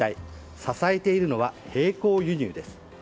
支えているのは並行輸入です。